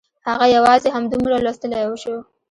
هغه یوازې همدومره لوستلی شو